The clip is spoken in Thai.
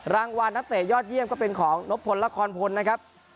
รางวัลนักเตะยอดเยี่ยมก็เป็นของนบพลละครพลนะครับ